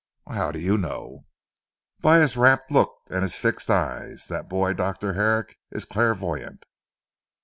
"How do you know?" "By his rapt look and his fixed eye. That boy Dr. Herrick, is clairvoyant."